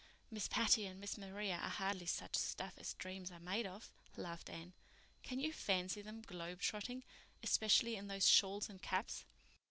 "Miss Patty and Miss Maria are hardly such stuff as dreams are made of," laughed Anne. "Can you fancy them 'globe trotting'—especially in those shawls and caps?"